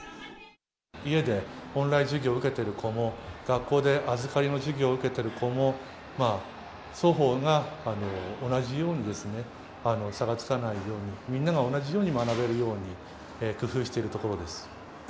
家でオンライン授業を受けてる子も、学校で預かりの授業を受けてる子も、双方が同じようにですね、差がつかないように、みんなが同じように学べるように、工夫しているところです。